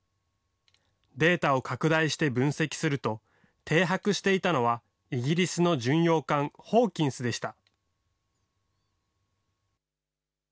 データを拡大して分析すると、停泊していたのは、イギリスの巡洋艦ホーキンスでした。